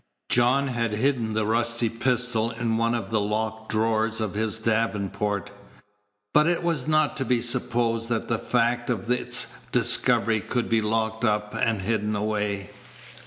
John had hidden the rusty pistol in one of the locked drawers of his Davenport; but it was not to be supposed that the fact of its discovery could be locked up or hidden away.